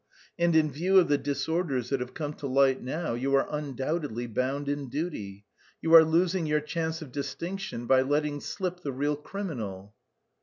And in view of the disorders that have come to light now, you are undoubtedly bound in duty. You are losing your chance of distinction by letting slip the real criminal."